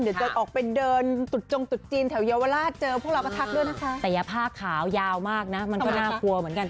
หรือก็เป็นการเพลย์ทีส์คลีป